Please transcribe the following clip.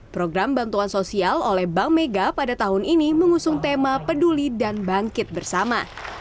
program bantuan sosial oleh bank mega pada tahun ini mengusung tema peduli dan bangkit bersama